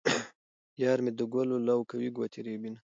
یار مې د ګلو لو کوي او ګوتې رېبي.